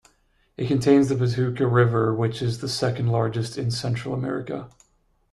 It contains the Patuca River which is the second largest in Central America.